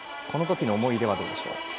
このときの思い出はどうでしょう。